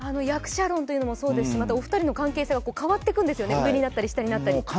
役者論というのもそうですしまたお二人の関係性が変わっていくんですよね、上になったり下になったり。